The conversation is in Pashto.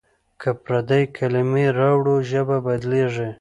که پردۍ کلمې راوړو ژبه بدلېږي.